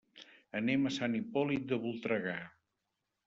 Anem a Sant Hipòlit de Voltregà.